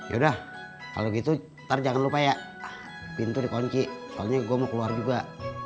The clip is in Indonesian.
yaudah kalau gitu ntar jangan lupa ya pintu dikunci soalnya gue mau keluar juga